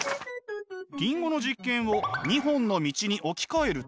リンゴの実験を２本の道に置き換えると。